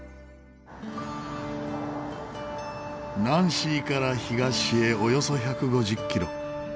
ナンシーから東へおよそ１５０キロ。